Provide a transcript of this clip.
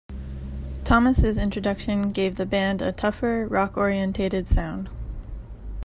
Thomas' introduction gave the band a tougher, rock-orientated sound.